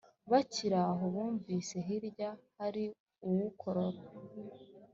bakiraho bumvise hirya hari uwukorora